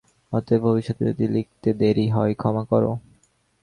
অতএব ভবিষ্যতে যদি লিখতে দেরী হয় ক্ষমা কর।